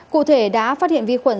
cụ thể đã phát hiện vi khuẩn